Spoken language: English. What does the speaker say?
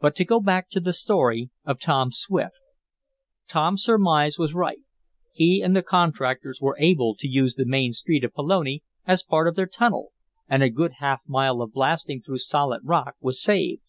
But to go back to the story of Tom Swift. Tom's surmise was right. He and the contractors were able to use the main street of Pelone as part of their tunnel, and a good half mile of blasting through solid rock was saved.